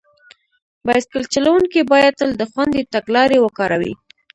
بایسکل چلونکي باید تل د خوندي تګ لارې وکاروي.